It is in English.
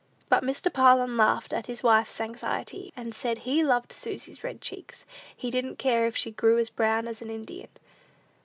But Mr. Parlin laughed at his wife's anxiety, and said he loved Susy's red cheeks; he didn't care if she grew as brown as an Indian.